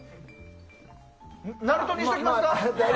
なるとにしときますか？